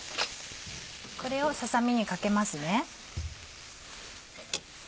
これをささ身にかけますね。